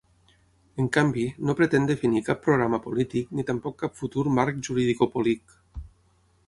En canvi, no pretén definir cap programa polític ni tampoc cap futur marc juridicopolíc.